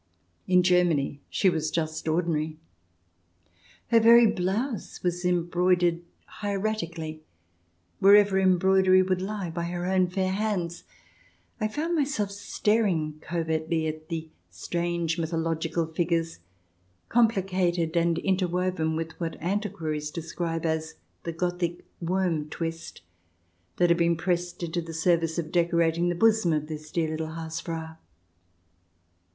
In Germany she was just ordinary. Her very blouse was embroidered hieratically, wherever embroidery would lie, by her own fair hands. I found myself staring covertly at the strange mythological figures, complicated and inter woven with what antiquaries describe as the Gothic worm twist, that had been pressed into the service of decorating the bosom of this dear little Hausfrau.